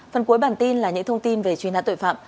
phần cuối bản tin là những thông tin về truy nã tội phạm